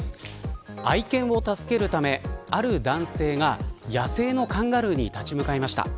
愛犬を助けるためある男性が野生のカンガルーに立ち向かいました。